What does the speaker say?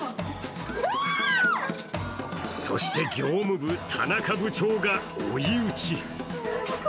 そして、業務部・田中部長が追い打ち。